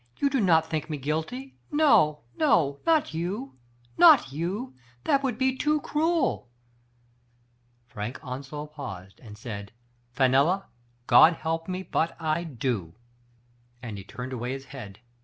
You do not think me guilty ! No, no, not you ! not you ! That would be too cruel !" Frank Onslow paused and said :" Fenella, God help me ! but I do," and he turned away his head.